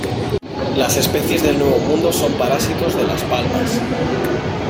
Las especies del Nuevo Mundo son parásitos de las palmas.